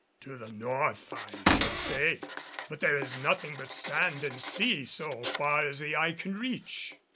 "To the north, I should say. But there is nothing but sand and sea so far as the eye can reach."